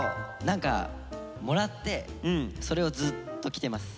何かもらってそれをずっと着てます。